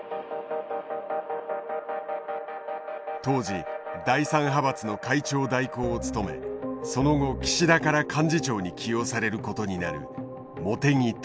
当時第３派閥の会長代行を務めその後岸田から幹事長に起用されることになる茂木